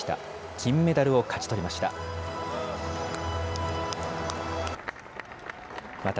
金メダルを勝ち取りました。